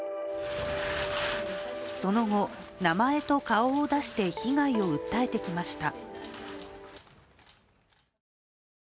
その後、名前と顔を出して被害を訴えてきました。